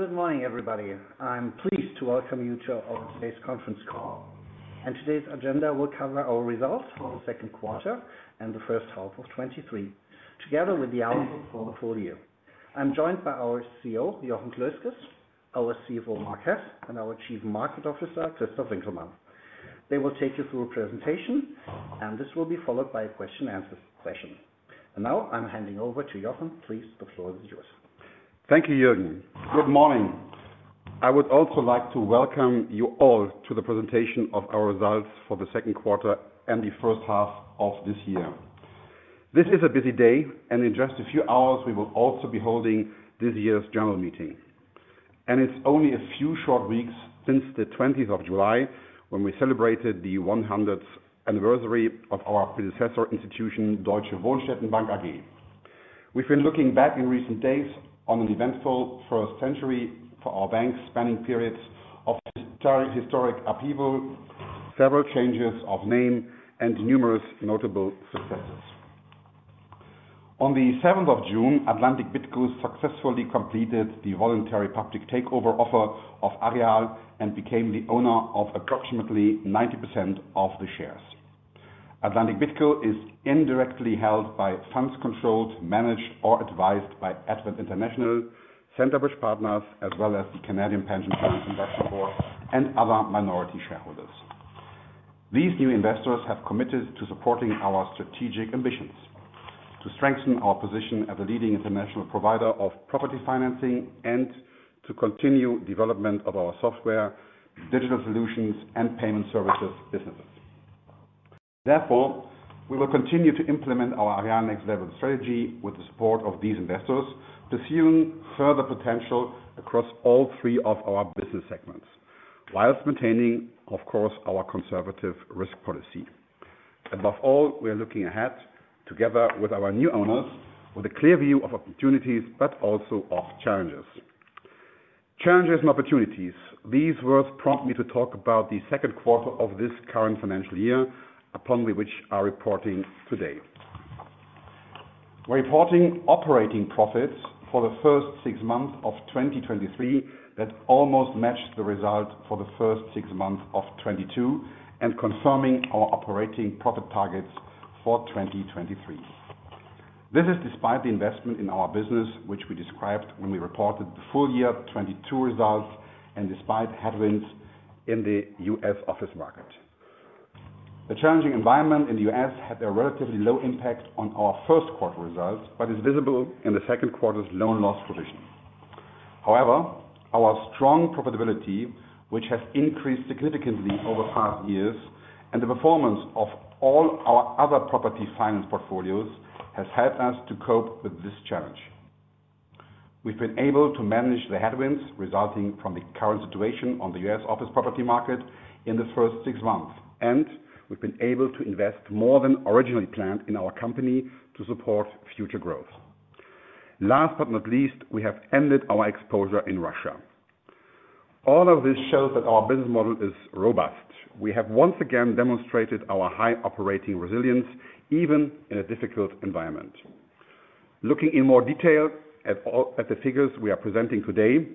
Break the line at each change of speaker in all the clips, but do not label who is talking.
Good morning, everybody. I'm pleased to welcome you to our today's conference call. Today's agenda will cover our results for the second quarter and the first half of 2023, together with the outlook for the full year. I'm joined by our CEO, Jochen Klösges, our CFO, Marc Hess, and our Chief Market Officer, Christof Winkelmann. They will take you through a presentation, and this will be followed by a question-and-answer session. Now I'm handing over to Jochen. Please, the floor is yours.
Thank you, Jürgen. Good morning. I would also like to welcome you all to the presentation of our results for the second quarter and the first half of this year. This is a busy day. In just a few hours, we will also be holding this year's general meeting. It's only a few short weeks since the 20th of July, when we celebrated the 100th anniversary of our predecessor institution, Deutsche WohnstättenBank AG. We've been looking back in recent days on an eventful first century for our bank, spanning periods of historic upheaval, several changes of name, and numerous notable successes. On the seventh of June, Atlantic BidCo successfully completed the voluntary public takeover offer of Aareal Bank and became the owner of approximately 90% of the shares. Atlantic BidCo is indirectly held by funds controlled, managed, or advised by Advent International, Centerbridge Partners, as well as the Canada Pension Plan Investment Board, and other minority shareholders. These new investors have committed to supporting our strategic ambitions, to strengthen our position as a leading international provider of property financing, and to continue development of our software, digital solutions, and payment services businesses. We will continue to implement our Aareal Next Level strategy with the support of these investors, pursuing further potential across all three of our business segments, whilst maintaining, of course, our conservative risk policy. We are looking ahead together with our new owners, with a clear view of opportunities but also of challenges. Challenges and opportunities, these words prompt me to talk about the second quarter of this current financial year, upon which we are reporting today. We're reporting operating profits for the first six months of 2023, that almost matched the result for the first six months of 2022, and confirming our operating profit targets for 2023. This is despite the investment in our business, which we described when we reported the full year 2022 results, and despite headwinds in the U.S. office market. The challenging environment in the U.S. had a relatively low impact on our first quarter results, but is visible in the second quarter's loan loss position. However, our strong profitability, which has increased significantly over the past years, and the performance of all our other property finance portfolios, has helped us to cope with this challenge. We've been able to manage the headwinds resulting from the current situation on the U.S. office property market in the first 6 months, and we've been able to invest more than originally planned in our company to support future growth. Last but not least, we have ended our exposure in Russia. All of this shows that our business model is robust. We have once again demonstrated our high operating resilience, even in a difficult environment. Looking in more detail at the figures we are presenting today,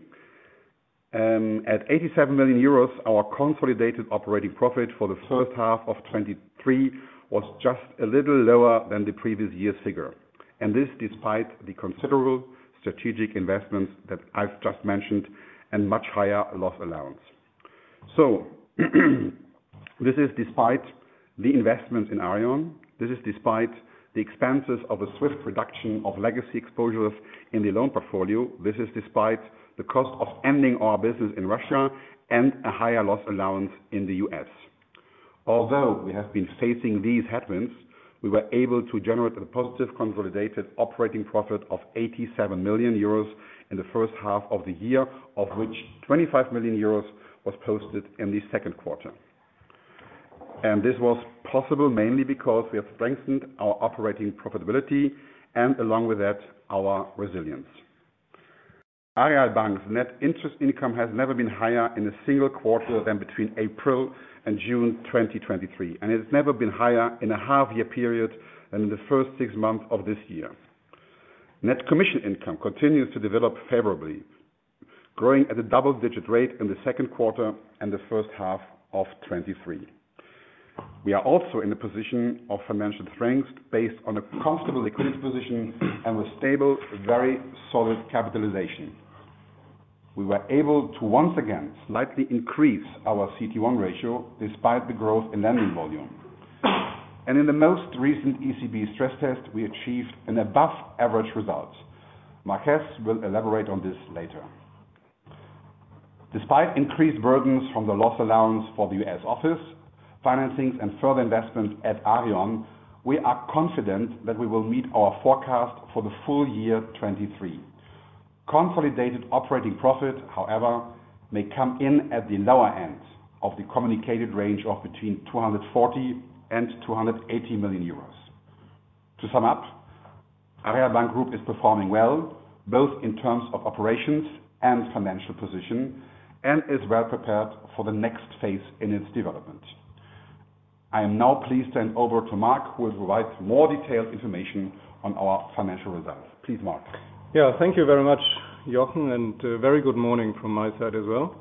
at 87 million euros, our consolidated operating profit for the first half of 2023 was just a little lower than the previous year's figure, and this despite the considerable strategic investments that I've just mentioned and much higher loss allowance. This is despite the investments in Aareon. This is despite the expenses of a swift reduction of legacy exposures in the loan portfolio. This is despite the cost of ending our business in Russia and a higher loss allowance in the U.S. Although we have been facing these headwinds, we were able to generate a positive consolidated operating profit of 87 million euros in the first half of the year, of which 25 million euros was posted in the second quarter. This was possible mainly because we have strengthened our operating profitability and along with that, our resilience. Aareal Bank's net interest income has never been higher in a single quarter than between April and June 2023, and it's never been higher in a half-year period than in the first six months of this year. Net commission income continues to develop favorably, growing at a double-digit rate in the second quarter and the first half of 2023. We are also in a position of financial strength based on a comfortable liquidity position and a stable, very solid capitalization. We were able to once again slightly increase our CT1 ratio despite the growth in lending volume. In the most recent ECB stress test, we achieved an above average result. Marc Hess will elaborate on this later. Despite increased burdens from the loss allowance for the U.S. office, financings and further investments at Aareon, we are confident that we will meet our forecast for the full year 2023. Consolidated operating profit, however, may come in at the lower end of the communicated range of between 240 million and 280 million euros. To sum up, Aareal Bank Group is performing well, both in terms of operations and financial position, and is well prepared for the next phase in its development. I am now pleased to hand over to Marc, who will provide more detailed information on our financial results. Please, Marc.
Yeah, thank you very much, Jochen. Very good morning from my side as well.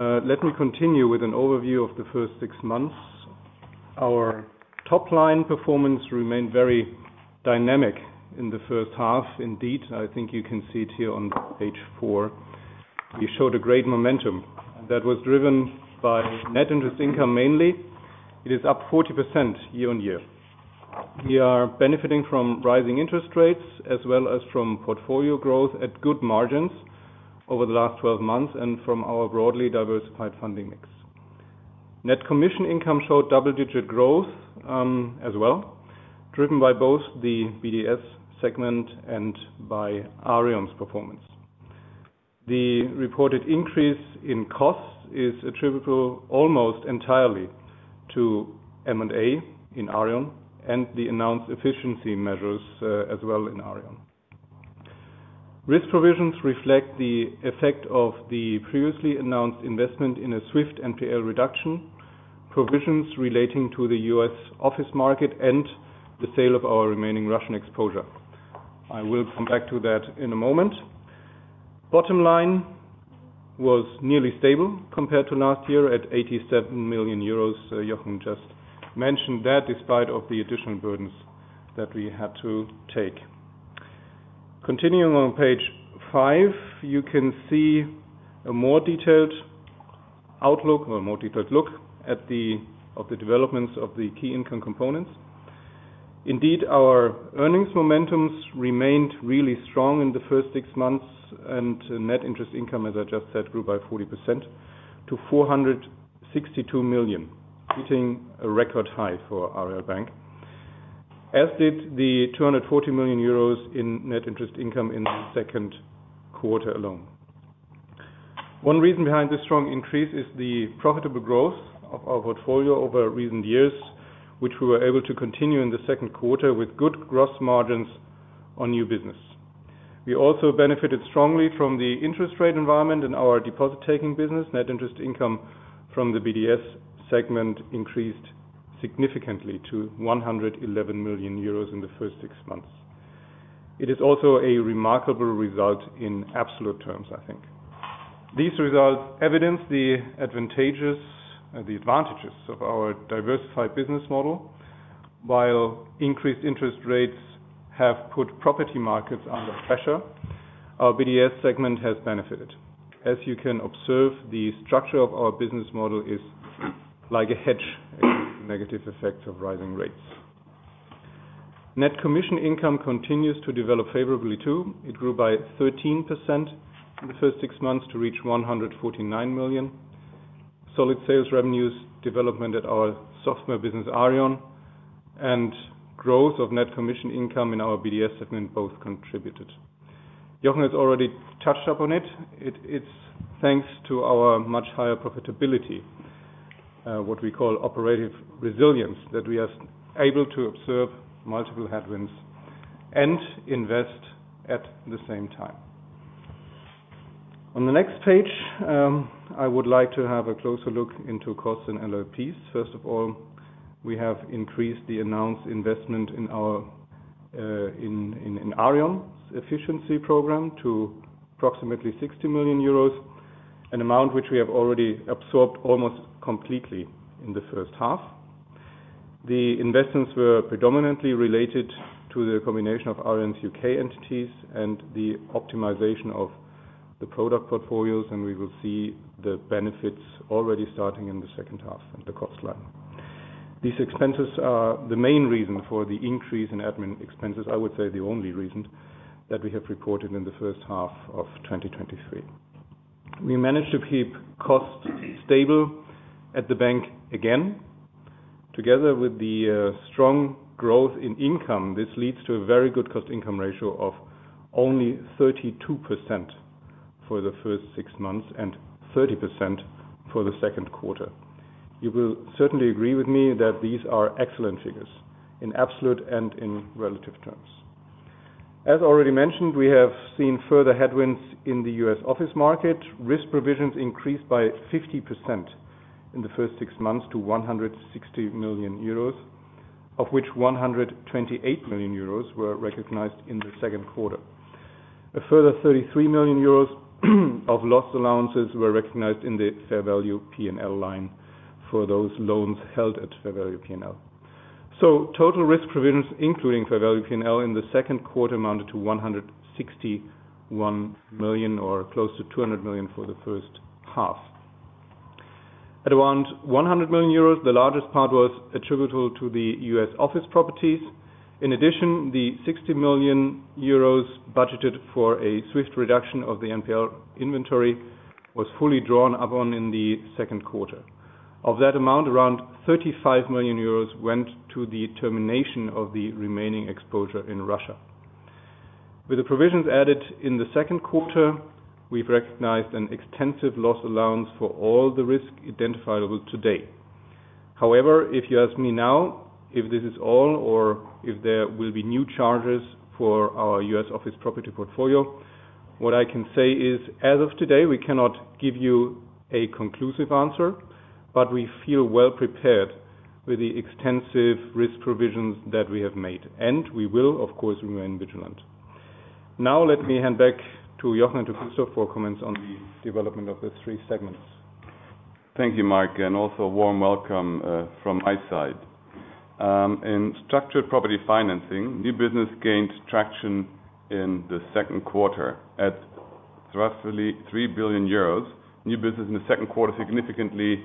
Let me continue with an overview of the first six months. Our top-line performance remained very dynamic in the first half. Indeed, I think you can see it here on page four. We showed a great momentum. That was driven by net interest income mainly. It is up 40% year on year. We are benefiting from rising interest rates, as well as from portfolio growth at good margins over the last 12 months, and from our broadly diversified funding mix. Net commission income showed double-digit growth as well, driven by both the BDS segment and by Aareon's performance. The reported increase in costs is attributable almost entirely to M&A in Aareon and the announced efficiency measures as well in Aareon. Risk provisions reflect the effect of the previously announced investment in a swift NPL reduction, provisions relating to the U.S. office market, and the sale of our remaining Russian exposure. I will come back to that in a moment. Bottom line was nearly stable compared to last year, at 87 million euros. Jochen just mentioned that despite of the additional burdens that we had to take. Continuing on page five, you can see a more detailed outlook or a more detailed look at the developments of the key income components. Indeed, our earnings momentums remained really strong in the first six months. Net interest income, as I just said, grew by 40% to 462 million, hitting a record high for Aareal Bank. As did the 240 million euros in net interest income in the second quarter alone. One reason behind this strong increase is the profitable growth of our portfolio over recent years, which we were able to continue in the second quarter with good gross margins on new business. We also benefited strongly from the interest rate environment in our deposit-taking business. Net interest income from the BDS segment increased significantly to 111 million euros in the first six months. It is also a remarkable result in absolute terms, I think. These results evidence the advantages of our diversified business model. While increased interest rates have put property markets under pressure, our BDS segment has benefited. As you can observe, the structure of our business model is like a hedge against the negative effects of rising rates. Net commission income continues to develop favorably, too. It grew by 13% in the first six months to reach 149 million. Solid sales revenues development at our software business, Aareon, and growth of net commission income in our BDS segment both contributed. Jochen has already touched upon it. It's thanks to our much higher profitability, what we call operative resilience, that we are able to observe multiple headwinds and invest at the same time. On the next page, I would like to have a closer look into costs and LLPs. First of all, we have increased the announced investment in our in Aareon's efficiency program to approximately 60 million euros, an amount which we have already absorbed almost completely in the first half. The investments were predominantly related to the combination of Aareon's U.K. entities and the optimization of the product portfolios. We will see the benefits already starting in the second half at the cost line. These expenses are the main reason for the increase in admin expenses. I would say the only reason that we have reported in the first half of 2023. We managed to keep costs stable at the bank again. Together with the strong growth in income, this leads to a very good cost-income ratio of only 32% for the firstsix6 months, and 30% for the second quarter. You will certainly agree with me that these are excellent figures in absolute and in relative terms. As already mentioned, we have seen further headwinds in the U.S. office market. Risk provisions increased by 50% in the first six months to 160 million euros, of which 128 million euros were recognized in the second quarter. A further 33 million euros of loss allowances were recognized in the fair value P&L line for those loans held at fair value P&L. Total risk provisions, including fair value P&L, in the second quarter, amounted to 161 million or close to 200 million for the first half. At around 100 million euros, the largest part was attributable to the U.S. office properties. In addition, the 60 million euros budgeted for a swift reduction of the NPL inventory was fully drawn upon in the second quarter. Of that amount, around 35 million euros went to the termination of the remaining exposure in Russia. With the provisions added in the second quarter, we've recognized an extensive loss allowance for all the risk identifiable today. However, if you ask me now if this is all or if there will be new charges for our U.S. office property portfolio? What I can say is, as of today, we cannot give you a conclusive answer, but we feel well-prepared with the extensive risk provisions that we have made, and we will, of course, remain vigilant. Now, let me hand back to Jochen and to Christof for comments on the development of the three segments.
Thank you, Marc, and also a warm welcome from my side. In structured property financing, new business gained traction in the second quarter. At roughly 3 billion euros, new business in the second quarter significantly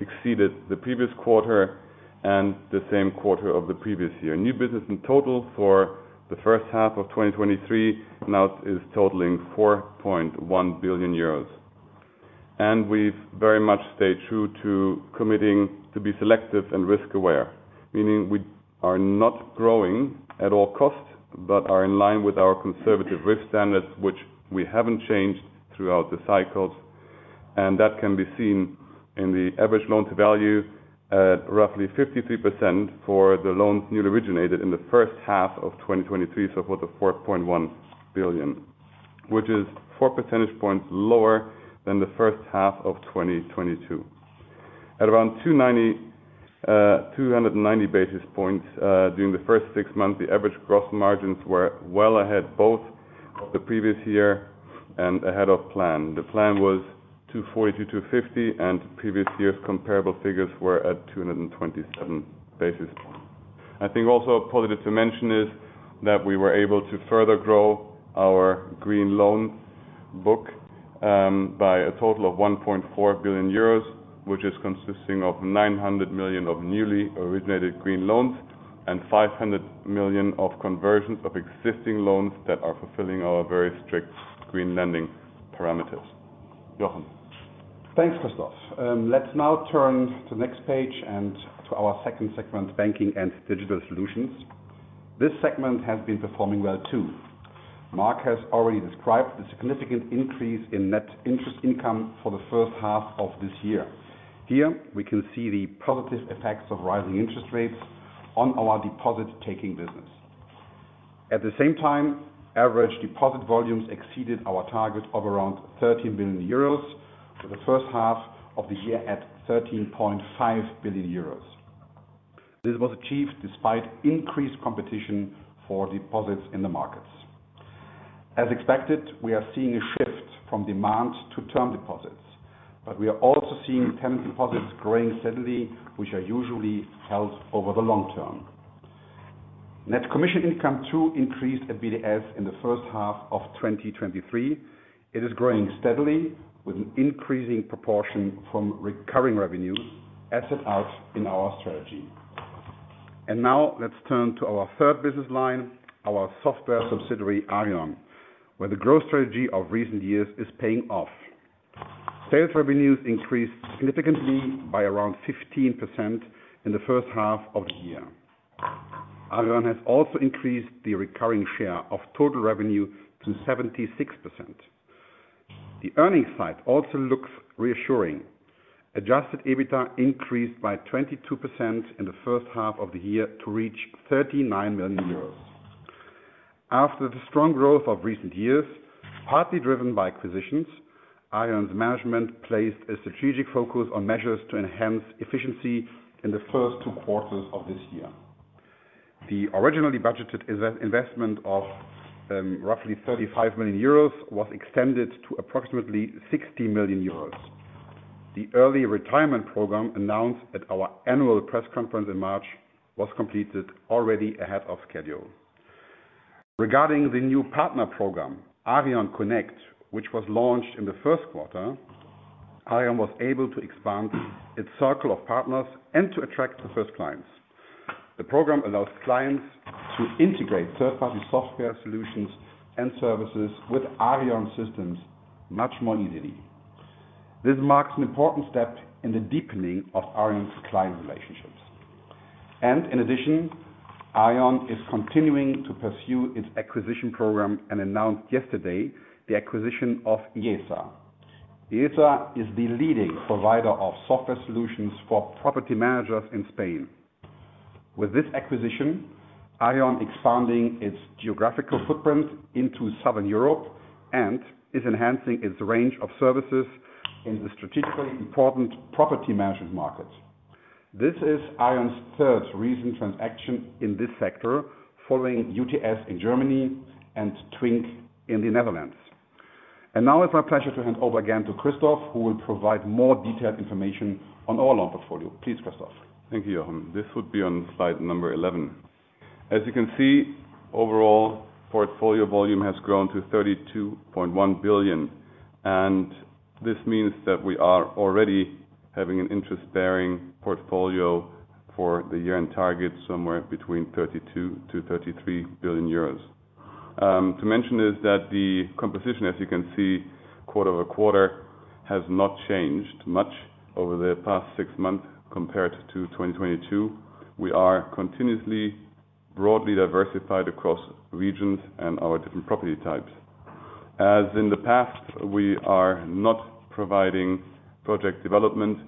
exceeded the previous quarter and the same quarter of the previous year. New business in total for the first half of 2023 now is totaling 4.1 billion euros. We've very much stayed true to committing to be selective and risk-aware, meaning we are not growing at all costs, but are in line with our conservative risk standards, which we haven't changed throughout the cycles. That can be seen in the average loan-to-value at roughly 53% for the loans newly originated in the first half of 2023, so for the 4.1 billion, which is 4 percentage points lower than the first half of 2022. At around 290, 290 basis points, during the first six months, the average gross margins were well ahead, both of the previous year and ahead of plan. The plan was 240-250, previous year's comparable figures were at 227 basis points. I think also a positive to mention is that we were able to further grow our green loan book, by a total of 1.4 billion euros, which is consisting of 900 million of newly originated green loans and 500 million of conversions of existing loans that are fulfilling our very strict green lending parameters. Jochen?
Thanks, Christof. Let's now turn to the next page and to our second segment, banking and digital solutions. This segment has been performing well, too. Marc has already described the significant increase in net interest income for the first half of this year. Here, we can see the positive effects of rising interest rates on our deposit-taking business. At the same time, average deposit volumes exceeded our target of around 13 billion euros for the first half of the year, at 13.5 billion euros. This was achieved despite increased competition for deposits in the markets. As expected, we are seeing a shift from demand to term deposits, we are also seeing term deposits growing steadily, which are usually held over the long term. Net commission income, too, increased at BDS in the first half of 2023. It is growing steadily, with an increasing proportion from recurring revenues as set out in our strategy. Now let's turn to our third business line, our software subsidiary, Aareon, where the growth strategy of recent years is paying off. Sales revenues increased significantly by around 15% in the first half of the year. Aareon has also increased the recurring share of total revenue to 76%. The earnings side also looks reassuring. Adjusted EBITDA increased by 22% in the first half of the year to reach 39 million euros. After the strong growth of recent years, partly driven by acquisitions, Aareon's management placed a strategic focus on measures to enhance efficiency in the first two quarters of this year. The originally budgeted investment of roughly 35 million euros, was extended to approximately 60 million euros. The early retirement program, announced at our annual press conference in March, was completed already ahead of schedule. Regarding the new partner program, Aareon Connect, which was launched in the first quarter, Aareon was able to expand its circle of partners and to attract the first clients. The program allows clients to integrate third-party software solutions and services with Aareon systems much more easily. This marks an important step in the deepening of Aareon's client relationships. In addition, Aareon is continuing to pursue its acquisition program and announced yesterday the acquisition of IESA. IESA is the leading provider of software solutions for property managers in Spain. With this acquisition, Aareon expanding its geographical footprint into Southern Europe and is enhancing its range of services in the strategically important property management market. This is Aareon's third recent transaction in this sector, following UTS in Germany and Twinq in the Netherlands. Now it's my pleasure to hand over again to Christof, who will provide more detailed information on our loan portfolio. Please, Christof.
Thank you, Jochen. This would be on slide number 11. As you can see, overall portfolio volume has grown to 32.1 billion. This means that we are already having an interest-bearing portfolio for the year-end target, somewhere between 32 billion-33 billion euros. To mention is that the composition, as you can see, quarter-over-quarter, has not changed much over the past six months compared to 2022. We are continuously, broadly diversified across regions and our different property types. As in the past, we are not providing project development...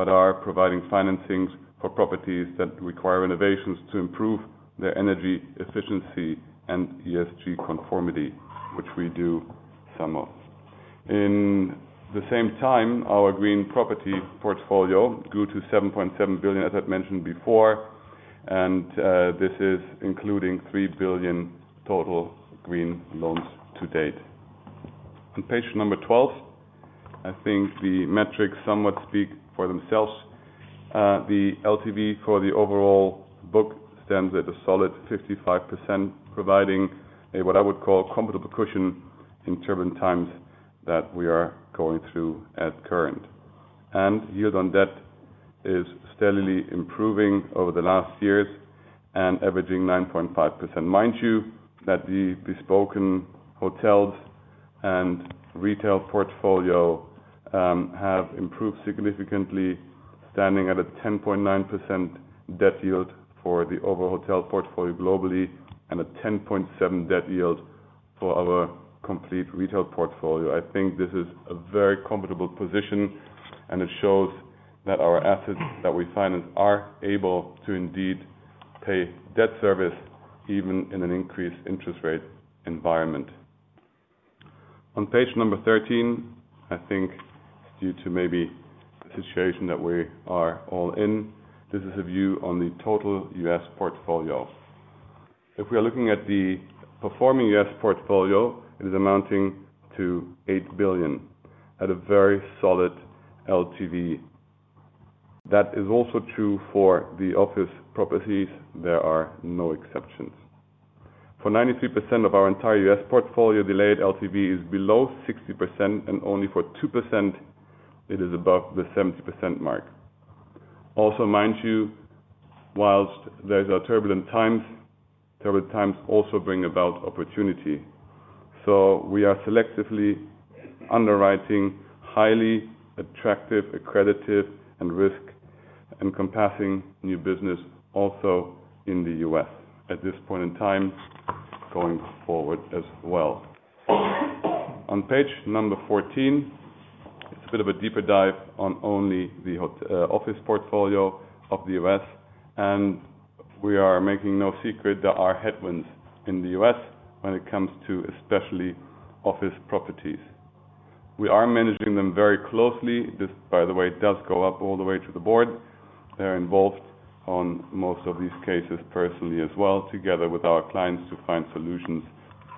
but are providing financings for properties that require innovations to improve their energy efficiency and ESG conformity, which we do some of. In the same time, our green property portfolio grew to 7.7 billion, as I've mentioned before. This is including 3 billion total green loans to date. On page number 12, I think the metrics somewhat speak for themselves. The LTV for the overall book stands at a solid 55%, providing a, what I would call, comfortable cushion in turbulent times that we are going through at current. Yield on debt is steadily improving over the last years and averaging 9.5%. Mind you, that the bespoken hotels and retail portfolio have improved significantly, standing at a 10.9% debt yield for the overall hotel portfolio globally, and a 10.7 debt yield for our complete retail portfolio. I think this is a very comfortable position, and it shows that our assets that we finance are able to indeed pay debt service, even in an increased interest rate environment. On page number 13, I think due to maybe the situation that we are all in, this is a view on the total U.S. portfolio. If we are looking at the performing U.S. portfolio, it is amounting to $8 billion at a very solid LTV. That is also true for the office properties. There are no exceptions. For 93% of our entire U.S. portfolio, delayed LTV is below 60%, and only for 2% it is above the 70% mark. Mind you, whilst there are turbulent times, turbulent times also bring about opportunity. We are selectively underwriting highly attractive, accredited, and risk, encompassing new business also in the U.S. at this point in time, going forward as well. On page number 14, it's a bit of a deeper dive on only the office portfolio of the U.S. We are making no secret there are headwinds in the U.S. when it comes to, especially office properties. We are managing them very closely. This, by the way, does go up all the way to the board. They are involved on most of these cases personally as well, together with our clients, to find solutions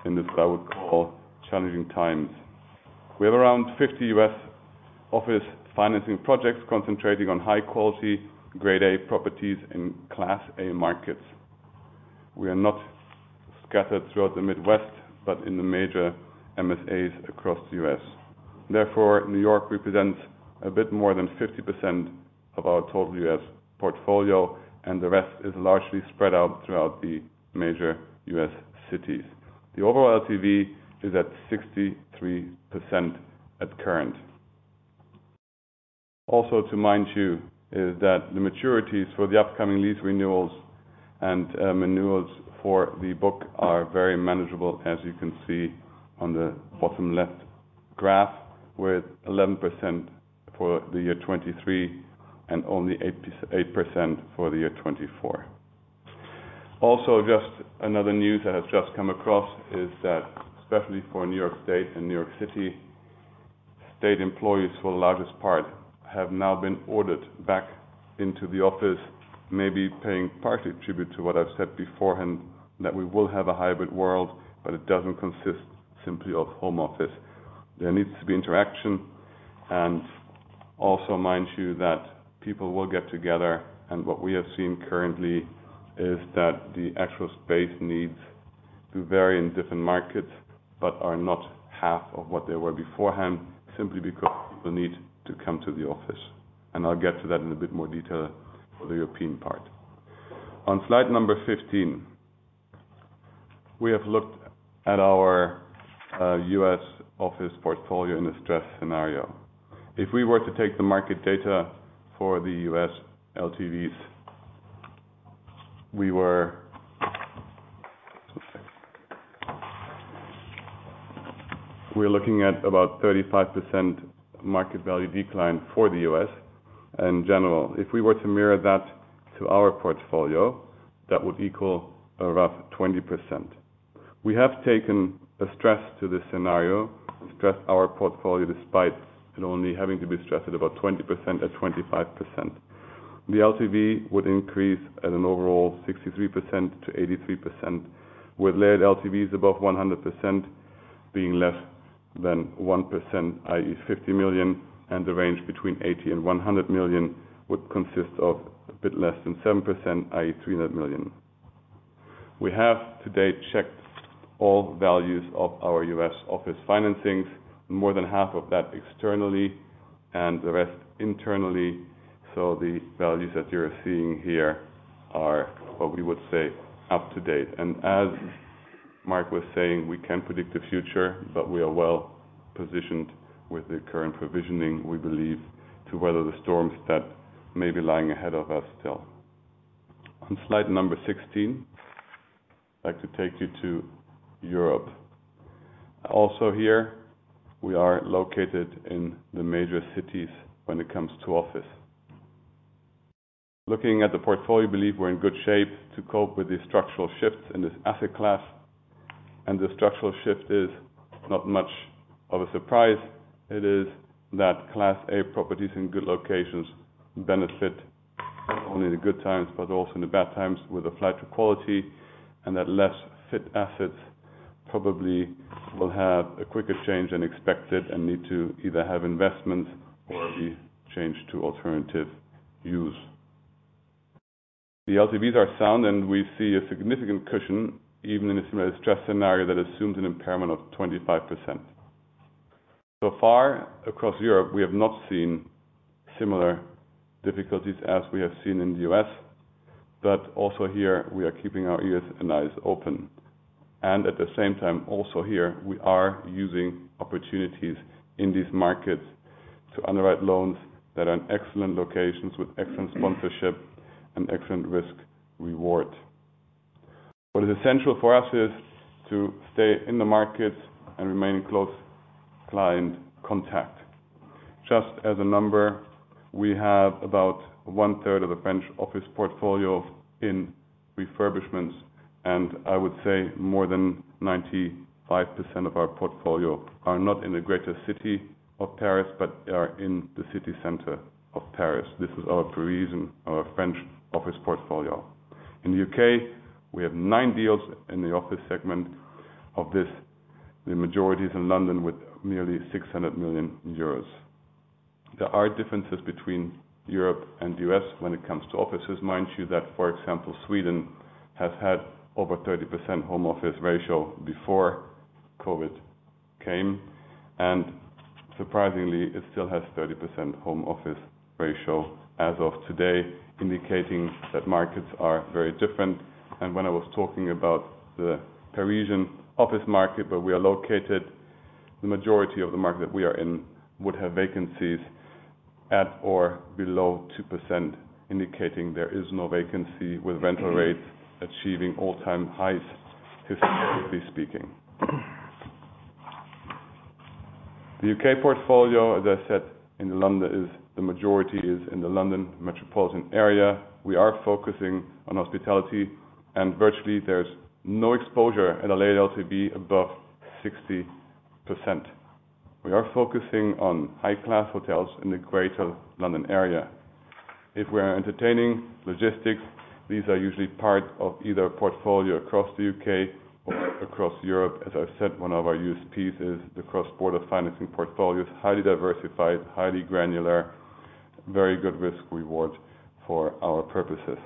in this, what I would call, challenging times. We have around 50 U.S. office financing projects concentrating on high quality, grade A properties in class A markets. We are not scattered throughout the Midwest, but in the major MSAs across the U.S. New York represents a bit more than 50% of our total U.S. portfolio, and the rest is largely spread out throughout the major U.S. cities. The overall LTV is at 63% at current. To mind you, is that the maturities for the upcoming lease renewals and renewals for the book are very manageable, as you can see on the bottom left graph, with 11% for the year 2023 and only 8% for the year 2024. Just another news that has just come across is that, especially for New York State and New York City, state employees, for the largest part, have now been ordered back into the office. Maybe paying party tribute to what I've said beforehand, that we will have a hybrid world, but it doesn't consist simply of home office. There needs to be interaction. Also mind you, that people will get together, and what we have seen currently is that the actual space needs do vary in different markets, but are not half of what they were beforehand, simply because people need to come to the office. I'll get to that in a bit more detail for the European part. On slide number 15, we have looked at our U.S. office portfolio in a stress scenario. If we were to take the market data for the U.S. LTVs, We're looking at about 35% market value decline for the U.S. in general. If we were to mirror that to our portfolio, that would equal around 20%. We have taken a stress to this scenario, stressed our portfolio, despite it only having to be stressed at about 20% or 25%. The LTV would increase at an overall 63%-83%, with layered LTVs above 100% being less than 1%, i.e., 50 million, and the range between 80 million and 100 million would consist of a bit less than 7%, i.e., 300 million. We have to date, checked all values of our U.S. office financings, more than half of that externally and the rest internally, so the values that you're seeing here are, what we would say, up to date. As Marc was saying, we can't predict the future, but we are well positioned with the current provisioning, we believe, to weather the storms that may be lying ahead of us still. On slide number 16. I'd like to take you to Europe. Also here, we are located in the major cities when it comes to office. Looking at the portfolio, I believe we're in good shape to cope with the structural shifts in this asset class. The structural shift is not much of a surprise. It is that Class A properties in good locations benefit not only in the good times, but also in the bad times with a flight to quality, and that less fit assets probably will have a quicker change than expected and need to either have investment or be changed to alternative use. The LTVs are sound, and we see a significant cushion, even in a similar stress scenario that assumes an impairment of 25%. So far, across Europe, we have not seen similar difficulties as we have seen in the U.S. Also here, we are keeping our ears and eyes open. At the same time, also here, we are using opportunities in these markets to underwrite loans that are in excellent locations with excellent sponsorship and excellent risk reward. What is essential for us is to stay in the market and remain in close client contact. Just as a number, we have about one-third of the French office portfolio in refurbishments, and I would say more than 95% of our portfolio are not in the greater city of Paris, but are in the city center of Paris. This is our Parisian, our French office portfolio. In the U.K., we have 9 deals in the office segment. Of this, the majority is in London, with nearly 600 million euros. There are differences between Europe and the U.S. when it comes to offices. Mind you, that, for example, Sweden has had over 30% home office ratio before COVID came. Surprisingly, it still has 30% home office ratio as of today, indicating that markets are very different. When I was talking about the Parisian office market, where we are located, the majority of the market that we are in would have vacancies at or below 2%, indicating there is no vacancy, with rental rates achieving all-time highs, historically speaking. The U.K. portfolio, as I said, in London, the majority is in the London metropolitan area. We are focusing on hospitality. Virtually, there's no exposure at a LTV above 60%. We are focusing on high-class hotels in the greater London area. If we are entertaining logistics, these are usually part of either a portfolio across the U.K. or across Europe. As I've said, one of our used pieces, the cross-border financing portfolio, is highly diversified, highly granular, very good risk reward for our purposes.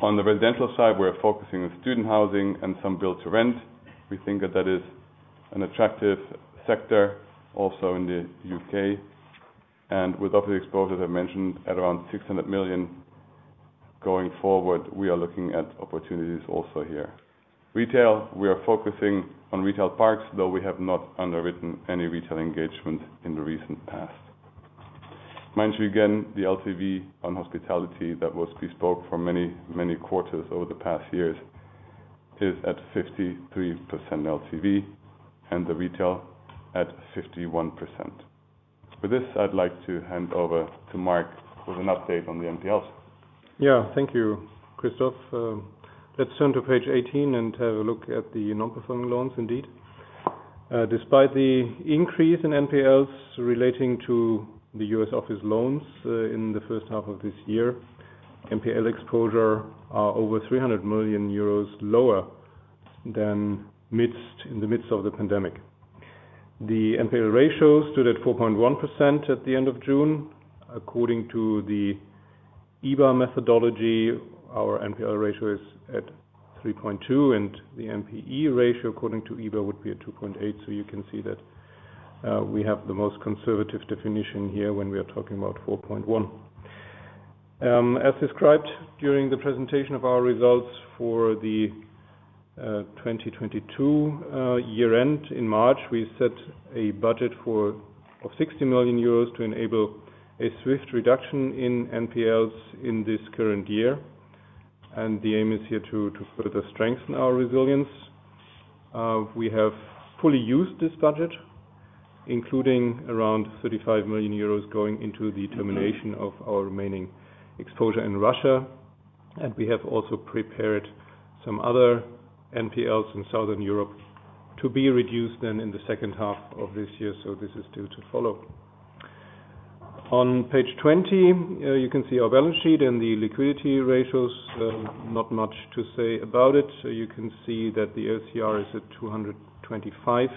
On the residential side, we're focusing on student housing and some build-to-rent. We think that that is an attractive sector also in the U.K., and with office exposure, I mentioned at around 600 million. Going forward, we are looking at opportunities also here. Retail, we are focusing on retail parks, though we have not underwritten any retail engagement in the recent past. Mind you, again, the LTV on hospitality that was bespoke for many, many quarters over the past years is at 53% LTV and the retail at 51%. For this, I'd like to hand over to Marc with an update on the NPLs.
Yeah. Thank you, Christof. Let's turn to page 18 and have a look at the non-performing loans, indeed. Despite the increase in NPLs relating to the U.S. office loans, in the first half of this year, NPL exposure are over 300 million euros lower than in the midst of the pandemic. The NPL ratio stood at 4.1% at the end of June. According to the EBA methodology, our NPL ratio is at 3.2%, and the NPE ratio, according to EBA, would be at 2.8%. You can see that we have the most conservative definition here when we are talking about 4.1%. As described during the presentation of our results for the 2022 year-end in March, we set a budget for 60 million euros to enable a swift reduction in NPLs in this current year, and the aim is here to further strengthen our resilience. We have fully used this budget, including around 35 million euros, going into the termination of our remaining exposure in Russia. We have also prepared some other NPLs in Southern Europe to be reduced then in the second half of this year, so this is due to follow. On page 20, you can see our balance sheet and the liquidity ratios. Not much to say about it. You can see that the LCR is at 225,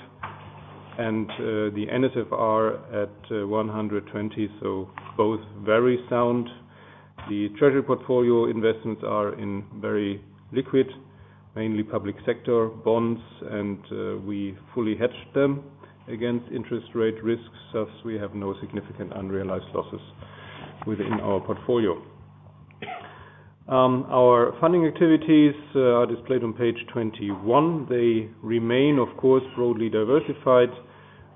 and the NSFR at 120, so both very sound. The treasury portfolio investments are in very liquid, mainly public sector bonds, and we fully hedge them against interest rate risks, thus, we have no significant unrealized losses within our portfolio. Our funding activities are displayed on page 21. They remain, of course, broadly diversified.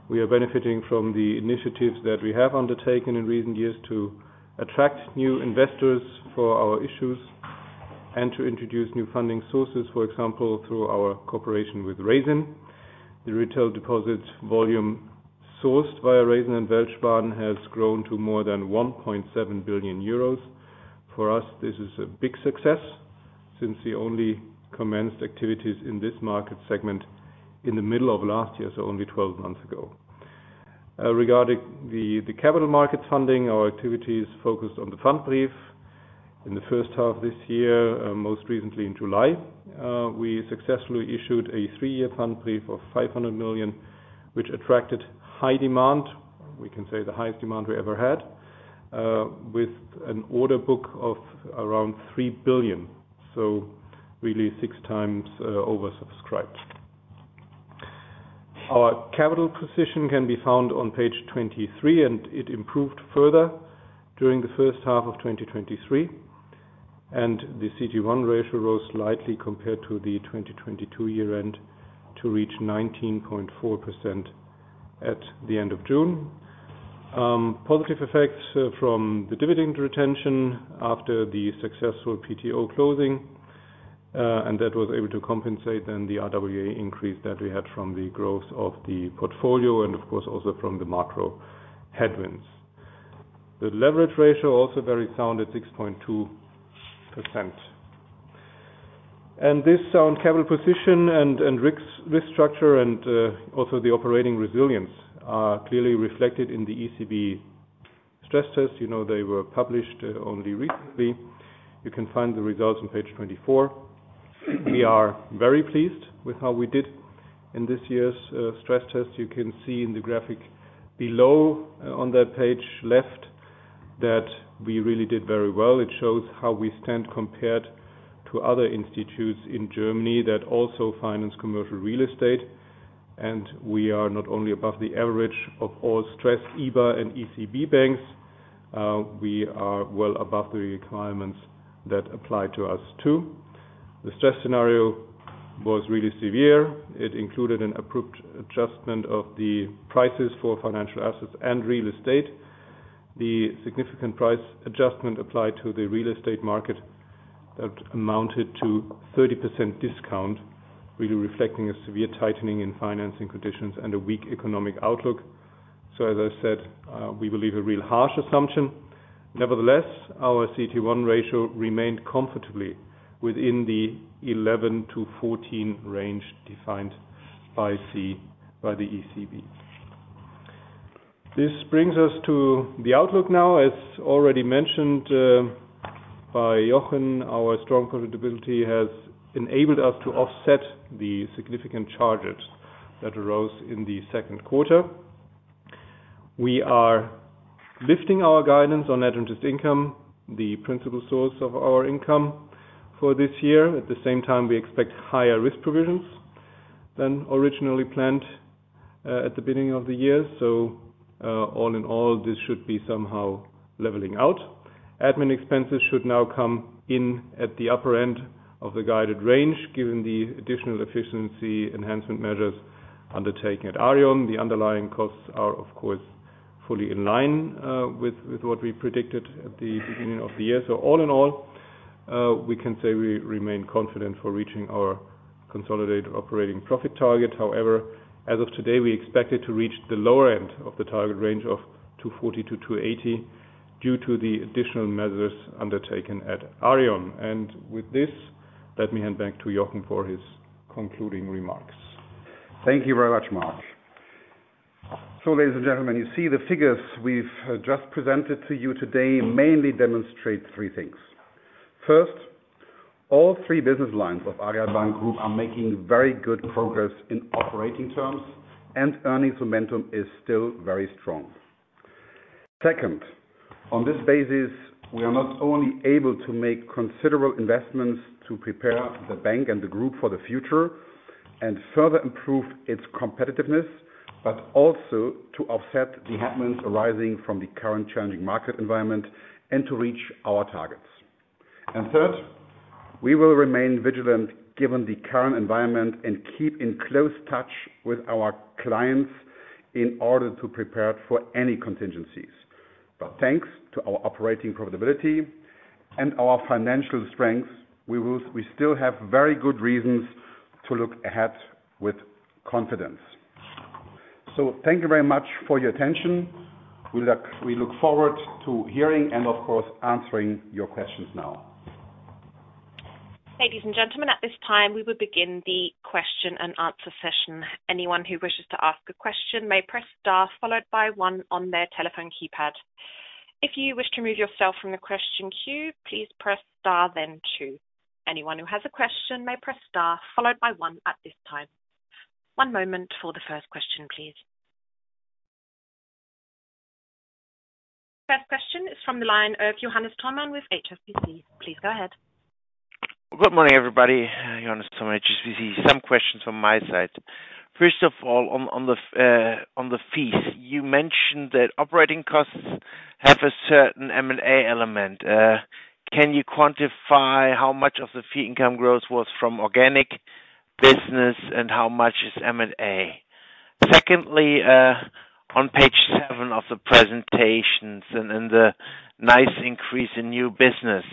We are benefiting from the initiatives that we have undertaken in recent years to attract new investors for our issues and to introduce new funding sources, for example, through our cooperation with Raisin. The retail deposit volume sourced via Raisin and Welsbach has grown to more than 1.7 billion euros. For us, this is a big success since we only commenced activities in this market segment in the middle of last year, so only 12 months ago. Regarding the capital market funding, our activities focused on the fund brief. In the first half of this year, most recently in July, we successfully issued a three-year fund brief of 500 million, which attracted high demand. We can say the highest demand we ever had, with an order book of around 3 billion, so really 6x oversubscribed. Our capital position can be found on page 23, and it improved further during the first half of 2023, and the CT1 ratio rose slightly compared to the 2022 year end to reach 19.4% at the end of June. Positive effects from the dividend retention after the successful PTO closing, and that was able to compensate then the RWA increase that we had from the growth of the portfolio and, of course, also from the macro headwinds. The leverage ratio, also very sound at 6.2%. This sound capital position and, and risk, risk structure and also the operating resilience are clearly reflected in the ECB stress test. You know, they were published only recently. You can find the results on page 24. We are very pleased with how we did in this year's stress test. You can see in the graphic below on that page left, that we really did very well. It shows how we stand compared to other institutes in Germany that also finance commercial real estate. We are not only above the average of all stress, EBA and ECB banks, we are well above the requirements that apply to us, too. The stress scenario was really severe. It included an approved adjustment of the prices for financial assets and real estate. The significant price adjustment applied to the real estate market that amounted to 30% discount, really reflecting a severe tightening in financing conditions and a weak economic outlook. As I said, we believe a real harsh assumption. Nevertheless, our CT1 ratio remained comfortably within the 11-14 range defined by the ECB. This brings us to the outlook now. As already mentioned, by Jochen, our strong credibility has enabled us to offset the significant charges that arose in the second quarter. We are lifting our guidance on net interest income, the principal source of our income for this year. At the same time, we expect higher risk provisions than originally planned at the beginning of the year. All in all, this should be somehow leveling out. Admin expenses should now come in at the upper end of the guided range, given the additional efficiency enhancement measures undertaken at Aareon. The underlying costs are, of course, fully in line with, with what we predicted at the beginning of the year. All in all, we can say we remain confident for reaching our consolidated operating profit target. However, as of today, we expect it to reach the lower end of the target range of 240-280 due to the additional measures undertaken at Aareon. With this, let me hand back to Jochen for his concluding remarks.
Thank you very much, Marc. Ladies and gentlemen, you see the figures we've just presented to you today mainly demonstrate three things. First, all three business lines of Aareal Bank Group are making very good progress in operating terms, and earnings momentum is still very strong. Second, on this basis, we are not only able to make considerable investments to prepare the bank and the group for the future and further improve its competitiveness, but also to offset the headwinds arising from the current challenging market environment and to reach our targets. Third, we will remain vigilant given the current environment and keep in close touch with our clients in order to prepare for any contingencies. Thanks to our operating profitability and our financial strength, we still have very good reasons to look ahead with confidence. Thank you very much for your attention. We look forward to hearing and of course, answering your questions now.
Ladies and gentlemen, at this time, we will begin the question-and-answer session. Anyone who wishes to ask a question may press star, followed by one on their telephone keypad. If you wish to remove yourself from the question queue, please press star, then two. Anyone who has a question may press star, followed by one at this time. One moment for the first question, please. First question is from the line of Johannes Thormann with HSBC. Please go ahead.
Good morning, everybody. Johannes Thormann, HSBC. Some questions from my side. First of all, on, on the, on the fees, you mentioned that operating costs have a certain M&A element. Can you quantify how much of the fee income growth was from organic business, and how much is M&A? Secondly, on page seven of the presentations and, and the nice increase in new business,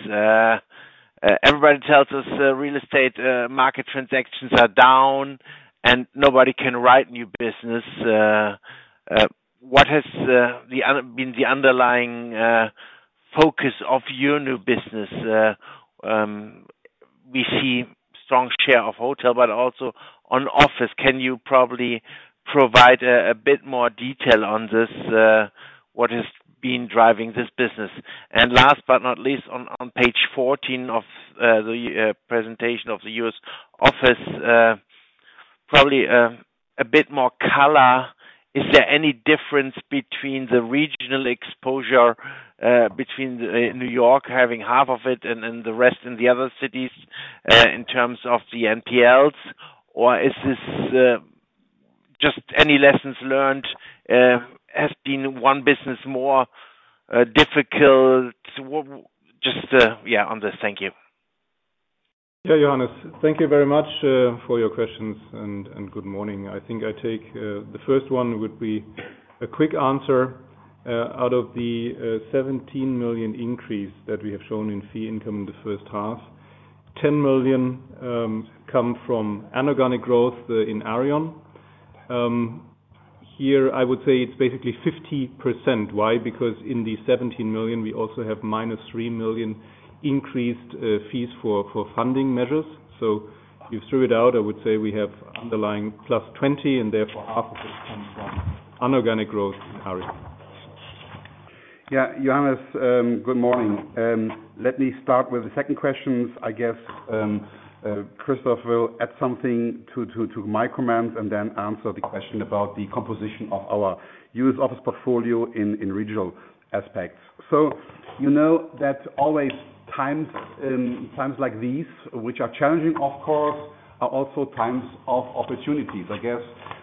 everybody tells us, real estate, market transactions are down and nobody can write new business. What has been the underlying focus of your new business? We see strong share of hotel, but also on office. Can you probably provide a, a bit more detail on this? What has been driving this business? Last but not least, on page 14 of the presentation of the U.S. office, probably a bit more color, is there any difference between the regional exposure between the New York having half of it and then the rest in the other cities in terms of the NPLs? Is this just any lessons learned, has been one business more difficult? Just, yeah, on this. Thank you.
Yeah, Johannes, thank you very much for your questions and good morning. I think I take the first one would be a quick answer. Out of the 17 million increase that we have shown in fee income in the first half, 10 million come from anorganic growth in Aareon. Here, I would say it's basically 50%. Why? Because in the 17 million, we also have -3 million increased fees for funding measures. If you threw it out, I would say we have underlying +20 million, and therefore, half of it comes from an organic growth in Aareon.
Yeah, Johannes, good morning. Let me start with the second questions. I guess Christof will add something to, to, to my comments and then answer the question about the composition of our U.S. office portfolio in, in regional aspects. You know that always times, times like these, which are challenging, of course, are also times of opportunities. I guess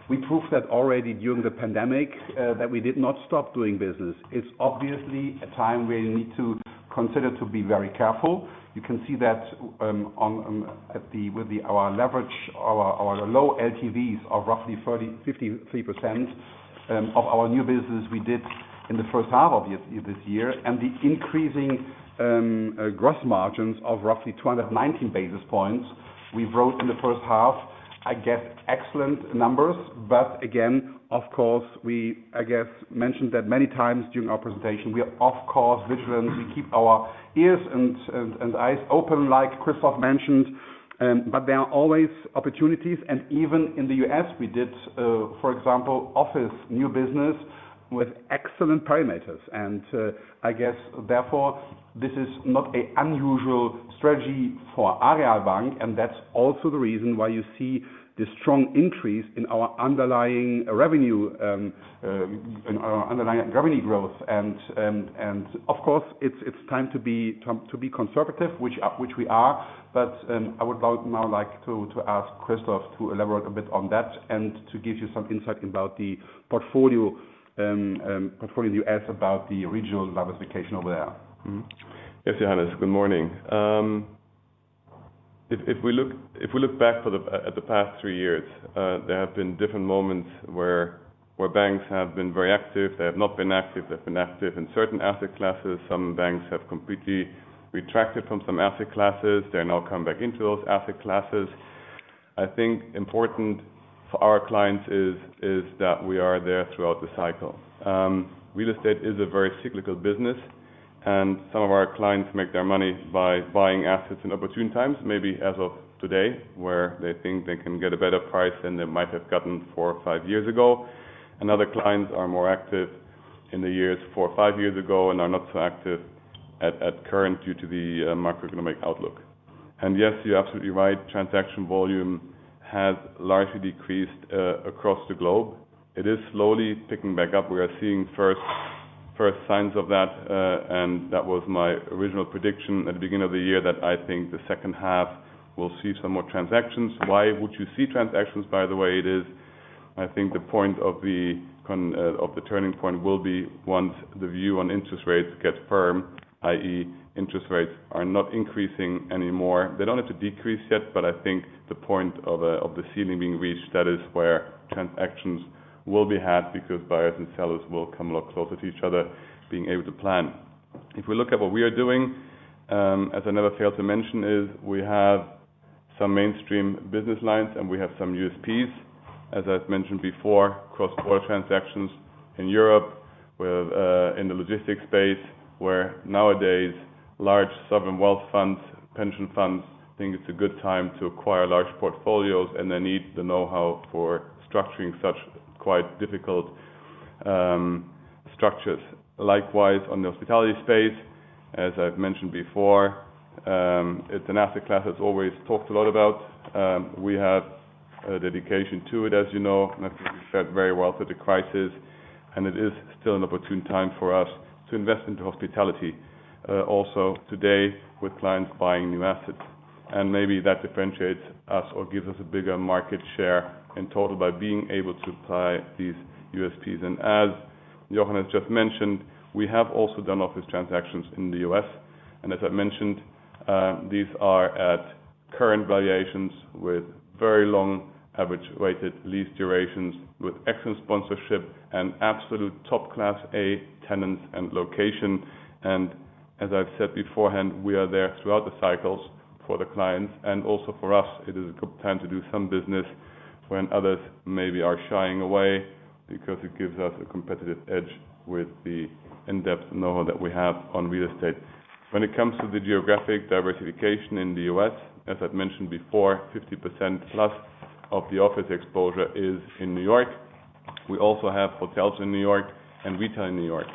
we proved that already during the pandemic, that we did not stop doing business. It's obviously a time where you need to consider to be very careful. You can see that on our leverage, our low LTVs are roughly 53%, of our new business we did in the first half of this year, and the increasing gross margins of roughly 219 basis points we wrote in the first half. I guess, excellent numbers, but again, of course, we, I guess, mentioned that many times during our presentation. We are off-course vigilant. We keep our ears and eyes open, like Christof mentioned, but there are always opportunities. Even in the U.S., we did, for example, office new business with excellent parameters. I guess, therefore, this is not a unusual strategy for Aareal Bank, and that's also the reason why you see this strong increase in our underlying revenue in our underlying revenue growth. And of course, it's, it's time to be, time to be conservative, which, which we are. I would now, now like to, to ask Christof to elaborate a bit on that and to give you some insight about the portfolio, portfolio you asked about the original diversification over there.
Mm-hmm. Yes, Johannes, good morning. If, if we look, if we look back for the, at, at the past three years, there have been different moments where, where banks have been very active. They have not been active, they've been active in certain asset classes. Some banks have completely retracted from some asset classes. They're now come back into those asset classes. I think important for our clients is, is that we are there throughout the cycle. Real estate is a very cyclical business, and some of our clients make their money by buying assets in opportune times, maybe as of today, where they think they can get a better price than they might have gotten four or five years ago. Other clients are more active in the years, four or five years ago, and are not so active at current due to the macroeconomic outlook. Yes, you're absolutely right. Transaction volume has largely decreased across the globe. It is slowly picking back up. We are seeing first, first signs of that, and that was my original prediction at the beginning of the year, that I think the second half we'll see some more transactions. Why would you see transactions, by the way? It is, I think, the point of the turning point will be once the view on interest rates gets firm, i.e., interest rates are not increasing anymore. They don't have to decrease yet. I think the point of the ceiling being reached, that is where transactions will be had because buyers and sellers will come a lot closer to each other, being able to plan. If we look at what we are doing, as I never fail to mention, is we have some mainstream business lines, and have some USPs. As I've mentioned before, cross-border transactions in Europe, with in the logistics space, where nowadays, large sovereign wealth funds, pension funds, think it's a good time to acquire large portfolios, and they need the know-how for structuring such quite difficult structures. Likewise, on the hospitality space, as I've mentioned before, it's an asset class that's always talked a lot about. We have a dedication to it, as you know, I think we fit very well through the crisis. It is still an opportune time for us to invest into hospitality. Also today, with clients buying new assets. Maybe that differentiates us or gives us a bigger market share in total by being able to apply these USPs. As Johannes just mentioned, we have also done office transactions in the U.S., as I mentioned, these are at current valuations with very long average weighted lease durations, with excellent sponsorship and absolute top class A tenants and location. As I've said beforehand, we are there throughout the cycles for the clients, and also for us, it is a good time to do some business when others maybe are shying away, because it gives us a competitive edge with the in-depth know that we have on real estate. When it comes to the geographic diversification in the U.S., as I've mentioned before, 50% plus of the office exposure is in New York. We also have hotels in New York and retail in New York.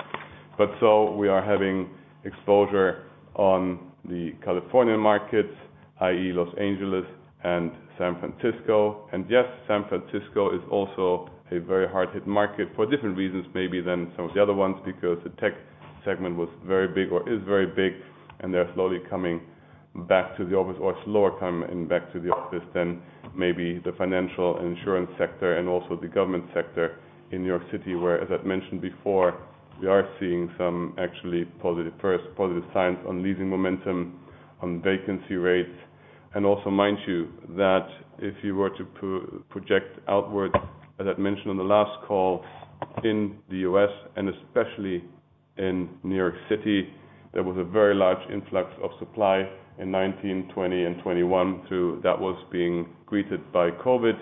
We are having exposure on the California markets, i.e., Los Angeles and San Francisco. Yes, San Francisco is also a very hard hit market for different reasons, maybe than some of the other ones, because the tech segment was very big or is very big, and they're slowly coming back to the office or slower coming back to the office than maybe the financial and insurance sector and also the government sector in New York City, where, as I've mentioned before, we are seeing some actually positive first, positive signs on leasing momentum, on vacancy rates. Also mind you, that if you were to project outwards, as I'd mentioned on the last call, in the U.S., and especially in New York City, there was a very large influx of supply in 2019, 2020, and 2021 that was being greeted by COVID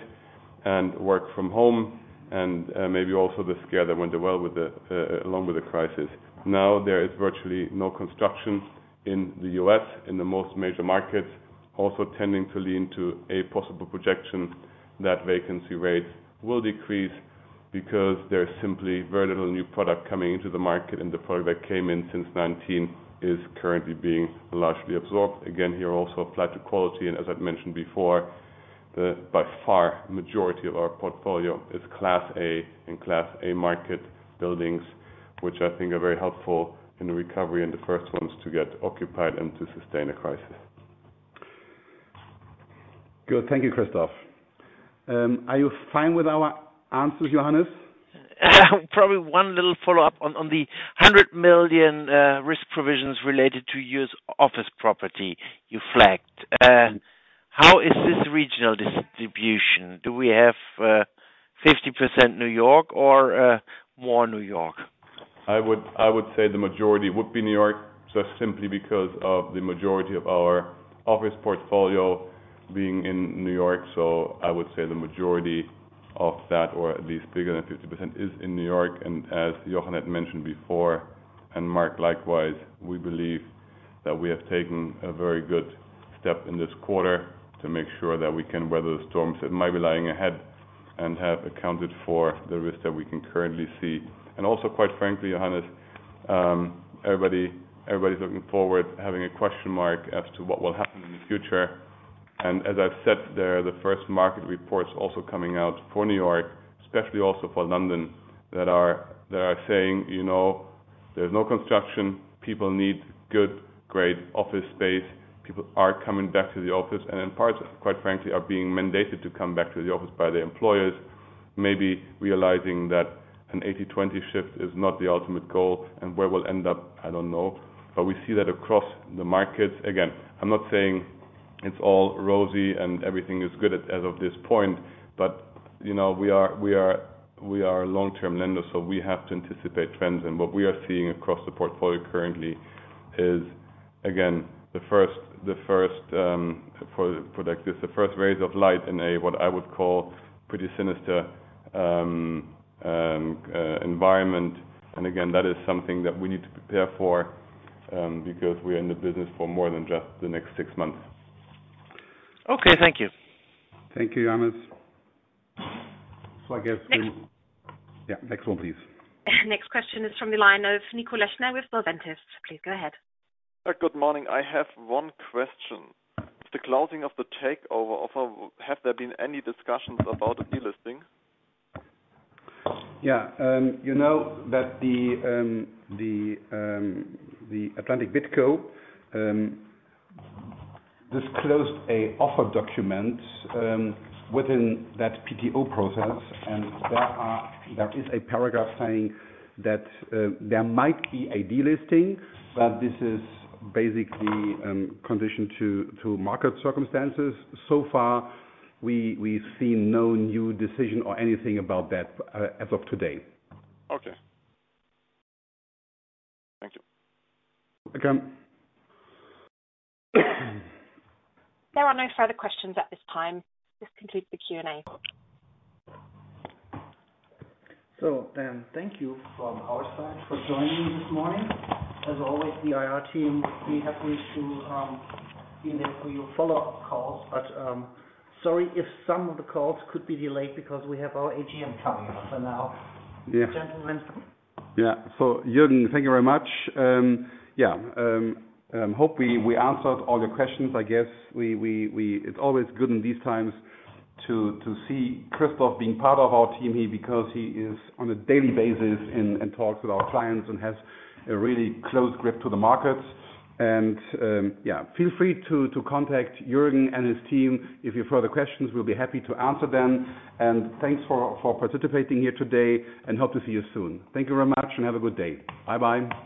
and work from home, and maybe also the scare that went well with the along with the crisis. There is virtually no construction in the U.S., in the most major markets, also tending to lean to a possible projection that vacancy rates will decrease because there is simply very little new product coming into the market, and the product that came in since 2019 is currently being largely absorbed. Again, here, also apply to quality, and as I've mentioned before, the by far, majority of our portfolio is Class A and Class A market buildings, which I think are very helpful in the recovery and the first ones to get occupied and to sustain a crisis.
Good. Thank you, Christof. Are you fine with our answers, Johannes?
Probably one little follow-up on, on the 100 million, risk provisions related to U.S. office property you flagged. How is this regional distribution? Do we have 50% New York or more New York?
I would say the majority would be New York, just simply because of the majority of our office portfolio being in New York. I would say the majority of that, or at least bigger than 50%, is in New York. As Johannes mentioned before, and Marc, likewise, we believe that we have taken a very good step in this quarter to make sure that we can weather the storms that might be lying ahead, and have accounted for the risk that we can currently see. Also, quite frankly, Johannes, everybody, everybody's looking forward, having a question mark as to what will happen in the future. As I've said, there are the first market reports also coming out for New York, especially also for London, that are, that are saying, you know, there's no construction, people need good, great office space. People are coming back to the office, in part, quite frankly, are being mandated to come back to the office by their employers. Maybe realizing that an 80-20 shift is not the ultimate goal, and where we'll end up, I don't know. We see that across the markets. Again, I'm not saying it's all rosy and everything is good as of this point, but, you know, we are a long-term lender, so we have to anticipate trends. What we are seeing across the portfolio currently is, again, the first rays of light in a, what I would call pretty sinister environment. Again, that is something that we need to prepare for, because we are in the business for more than just the next six months.
Okay, thank you.
Thank you, Johannes. I guess.
Next.
Yeah, next one, please.
Next question is from the line of Nico Lechner with Noventis. Please go ahead.
Good morning. I have one question: The closing of the takeover offer, have there been any discussions about a delisting?
Yeah, you know, that the the the Atlantic BidCo disclosed a offer document within that PTO process, and there is a paragraph saying that there might be a delisting, but this is basically conditioned to, to market circumstances. So far, we, we've seen no new decision or anything about that as of today.
Okay. Thank you.
Okay.
There are no further questions at this time. This concludes the Q&A.
Thank you from our side for joining me this morning. As always, the IR team, we are happy to be there for your follow-up calls. Sorry if some of the calls could be delayed because we have our AGM coming up.
Yeah.
Gentlemen.
Yeah. Juergen, thank you very much. Yeah, hope we, we answered all your questions. I guess it's always good in these times to, to see Christof being part of our team here, because he is on a daily basis and, and talks with our clients and has a really close grip to the fmarkets. Yeah, feel free to, to contact Juergen and his team. If you have further questions, we'll be happy to answer them. Thanks for, for participating here today, and hope to see you soon. Thank you very much and have a good day. Bye-bye.